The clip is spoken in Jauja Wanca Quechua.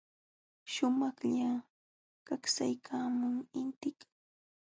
Shumaqlla paksaykaamun intikaq.